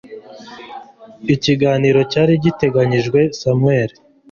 ikiganiro cyari giteganyijwe Samuel